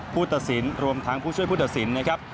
ผู้ตศิลป์รวมทางผู้ช่วยผู้ตศิลป์นะครับ